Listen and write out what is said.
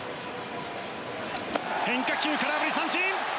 変化球、空振り三振！